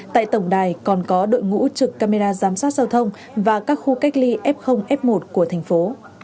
tại tổng đài còn có đội ngũ trực camera giám sát giao thông và các khu cách ly f f một của thành phố